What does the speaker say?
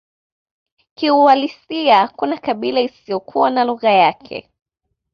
Kiuhalisia hakuna kabila isiyokuwa na lugha yake